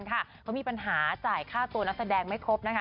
เขามีปัญหาจ่ายค่าตัวนักแสดงไม่ครบนะคะ